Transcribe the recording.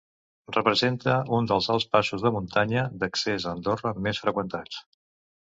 Representa un dels alts passos de muntanya d'accés a Andorra més freqüentats.